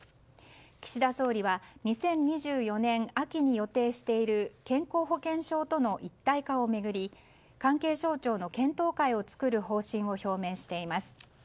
岸田総理は２０２４年秋に予定している健康保険証との一体化を巡り関係省庁の検討会を作る方針を表明しています。